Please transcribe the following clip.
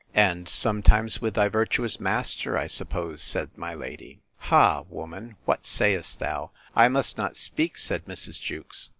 And sometimes with thy virtuous master, I suppose? said my lady.—Ha, woman! what sayest thou? I must not speak, said Mrs. Jewkes.